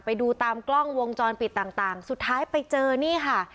ไปดูตามกล้องวงจรปิดต่างสุดท้ายไปเจอนี่ค่ะ